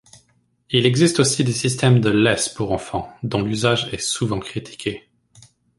Il existe aussi des systèmes de laisses pour enfants, dont l'usage est souvent critiqué.